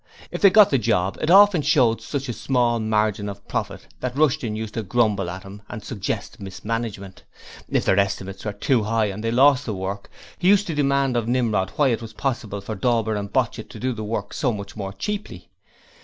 If they got the 'job' it often showed such a small margin of profit that Rushton used to grumble at him and suggest mismanagement. If their estimates were too high and they lost the work, he used to demand of Nimrod why it was possible for Dauber and Botchit to do work so much more cheaply.